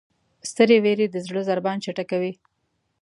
سترې وېرې د زړه ضربان چټکوي.